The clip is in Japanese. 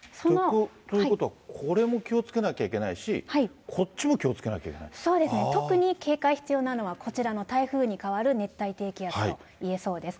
ということは、これも気をつけなきゃいけないし、そうですね、特に警戒必要なのは、こちらの台風に変わる熱帯低気圧と言えそうです。